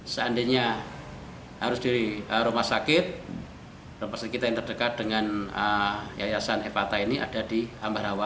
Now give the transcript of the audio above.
seandainya harus di rumah sakit pasti kita yang terdekat dengan yayasan e vata ini ada di ambar hawa